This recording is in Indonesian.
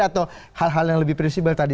atau hal hal yang lebih prinsipal tadi